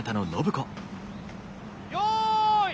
よい。